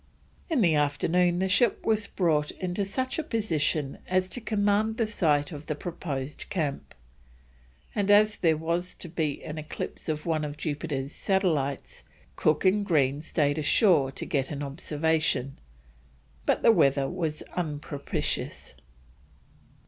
In the afternoon the ship was brought into such a position as to command the site of the proposed camp, and as there was to be an eclipse of one of Jupiter's satellites, Cook and Green stayed ashore to get an observation, but the weather was unpropitious.